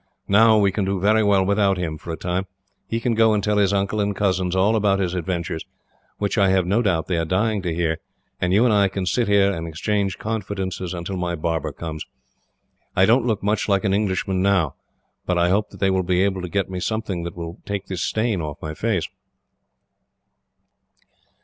Now we can do very well without him, for a time. He can go and tell his uncle and cousins all about his adventures, which, I have no doubt, they are dying to hear; and you and I can sit here, and exchange confidences until my barber comes. I don't look much like an Englishman now, but I hope that they will be able to get me something that will take this stain off my face."